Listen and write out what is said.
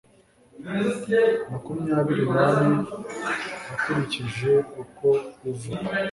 makumyabiri n'ane ukurikije uko uva